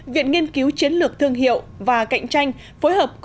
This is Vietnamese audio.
viện nghiên cứu chiến lược thương hiệu và cạnh tranh phối hợp